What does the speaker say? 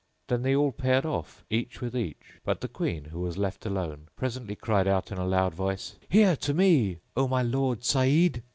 Then they all paired off, each with each: but the Queen, who was left alone, presently cried out in a loud voice, "Here to me, O my lord Saeed!"